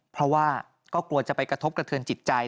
เพราะว่าก็กลัวจะไปกระทบกระเทือนจิตใจ